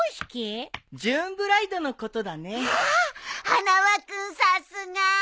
花輪君さすが！